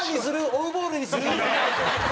オフボールにする？